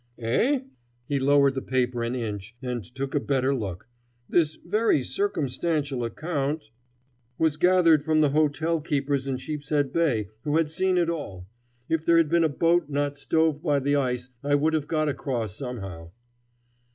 "Eh!" He lowered the paper an inch, and took a better look: "this very circumstantial account " "Was gathered from the hotel keepers in Sheepshead Bay, who had seen it all. If there had been a boat not stove by the ice, I would have got across somehow."